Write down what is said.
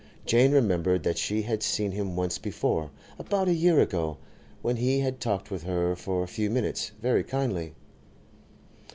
Jane remembered that she had seen him once before, about a year ago, when he had talked with her for a few minutes, very kindly.